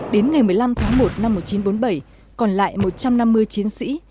đến ngày một mươi năm tháng một năm một nghìn chín trăm bốn mươi bảy còn lại một trăm năm mươi chiến sĩ